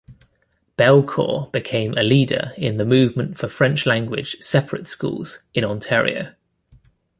Belcourt became a leader in the movement for French language Separate Schools in Ontario.